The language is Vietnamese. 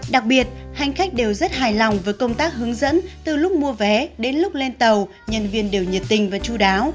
đặc biệt hành khách đều rất hài lòng với công tác hướng dẫn từ lúc mua vé đến lúc lên tàu nhân viên đều nhiệt tình và chú đáo